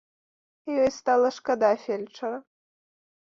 Ёй стала шкада фельчара.